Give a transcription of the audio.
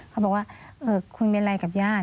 เขาบอกว่าคุณเป็นอะไรกับญาติ